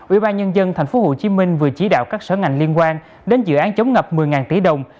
ủy ban nhân dân tp hcm vừa chỉ đạo các sở ngành liên quan đến dự án chống ngập một mươi tỷ đồng